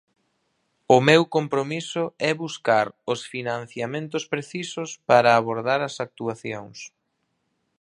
O meu compromiso é buscar os financiamentos precisos para abordar as actuacións.